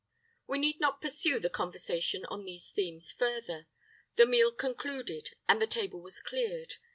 We need not pursue the conversation on these themes further. The meal concluded, and the table was cleared.